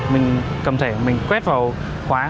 mình quét vào khóa